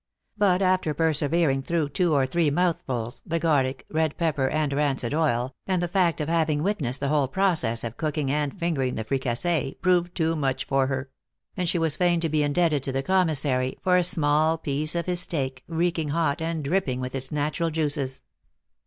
But, after persevering through two or three mouthfuls, the gar lic, red pepper, and rancid oil, and the fact of having witnessed the whole process of cooking and fingering the fricassee, proved too much for her; and she was THE ACTRESS IN HIGH LIFE. 143 fain to be indebted to the commissary for a small piece of his steak, reeking hot, and dripping with its natural juices.